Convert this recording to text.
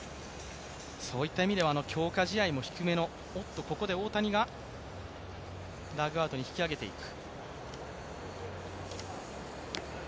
そういった意味では強化試合も低めのおっと、ここで大谷がダグアウトに引き上げていく。